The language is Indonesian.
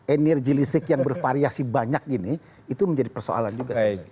energi listrik yang bervariasi banyak ini itu menjadi persoalan juga sebenarnya